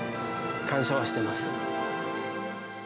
感謝はしてます。